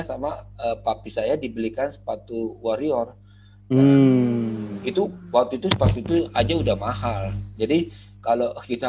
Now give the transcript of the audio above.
sama papi saya dibelikan sepatu warrior itu waktu itu sepatu itu aja udah mahal jadi kalau kita